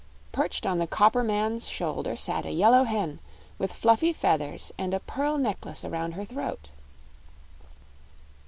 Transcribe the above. Perched on the copper man's shoulder sat a yellow hen, with fluffy feathers and a pearl necklace around her throat.